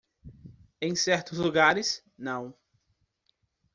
Em certos lugares, não.